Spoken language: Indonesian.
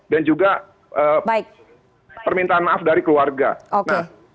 dan juga permintaan maaf dari keluarga